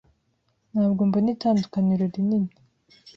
Ntabwo mbona itandukaniro rinini.